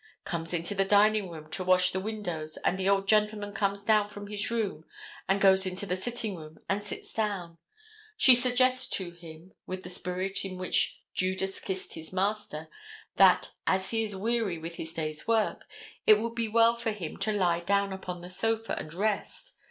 Comes into the dining room to wash the windows and the old gentleman comes down from his room and goes into the sitting room and sits down. She suggests to him, with the spirit in which Judas kissed his master, that, as he is weary with his day's work, it would be well for him to lie down upon the sofa and rest.